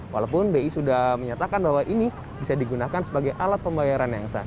walaupun bi sudah menyatakan bahwa ini bisa digunakan sebagai alat pembayaran yang sah